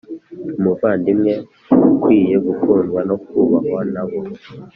umuvandimwe ukwiye gukundwa no kubahwa nabo